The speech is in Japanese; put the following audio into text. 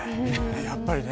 やっぱりね。